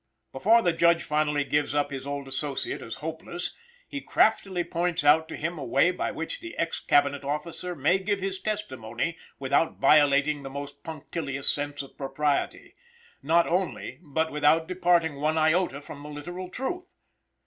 Before the Judge finally gives up his old associate as hopeless, he craftily points out to him a way by which the ex Cabinet officer may give his testimony without violating the most punctilious sense of propriety, not only, but without departing one iota from the literal truth.